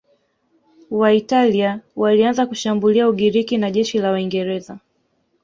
Waitalia walianza kushambulia Ugiriki na jeshi la Waingereza